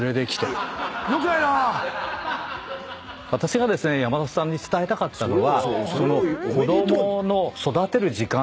私がですね山里さんに伝えたかったのは。